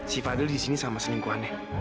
si fadil disini sama selingkuhannya